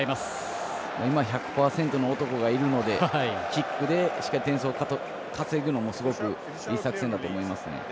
今１００％の男がいるのでキックでしっかり点数を稼ぐのもすごくいい作戦だと思いますね。